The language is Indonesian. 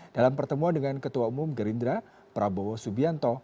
dalam pertemuan dengan ketua umum gerindra prabowo subianto